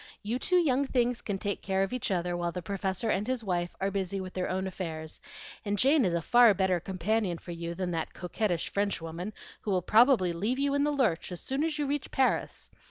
You two young things can take care of each other while the Professor and his wife are busy with their own affairs; and Jane is a far better companion for you than that coquettish French woman, who will probably leave you in the lurch as soon as you reach Paris.